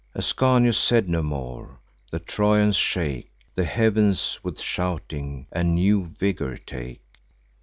Ascanius said no more. The Trojans shake The heav'ns with shouting, and new vigour take.